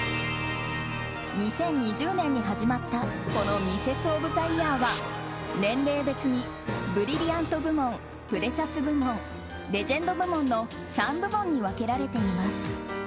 ２０２０年に始まったこのミセスオブザイヤーは年齢別にブリリアント部門プレシャス部門レジェンド部門の３部門に分けられています。